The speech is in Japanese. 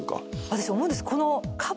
私思うんです。